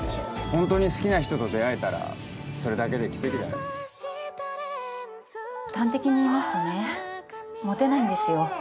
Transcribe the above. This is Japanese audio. ホントに好きな人と出会えたらそれだけで奇跡だ端的に言いますとねモテないんですよ